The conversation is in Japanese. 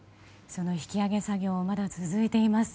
その引き揚げ作業まだ続いています。